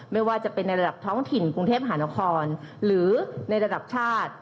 ไม่ว่าจะเป็นในระดับท้องถิ่นกรุงเทพหานครหรือในระดับชาติ